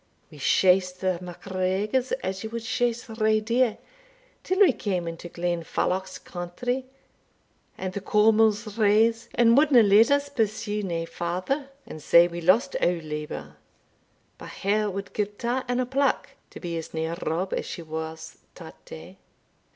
We shased the MacGregors as ye wad shase rae deer, till we came into Glenfalloch's country, and the Cawmils raise, and wadna let us pursue nae farder, and sae we lost our labour; but her wad gie twa and a plack to be as near Rob as she was tat day."